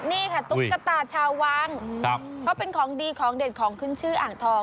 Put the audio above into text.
นี่ค่ะตุ๊กตาชาววังเขาเป็นของดีของเด็ดของขึ้นชื่ออ่างทอง